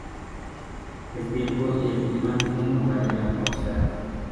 El tiempo y el clima tienen lugar en la atmósfera.